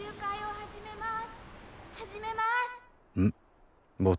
始めます。